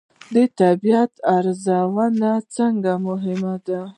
د دې طبیعت ارزونه ځکه مهمه ده.